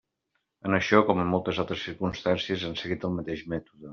En això, com en moltes altres circumstàncies, han seguit el mateix mètode.